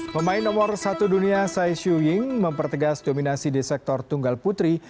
memain nomor satu dunia tsai hsiu ying mempertegas dominasi di sektor tunggal putri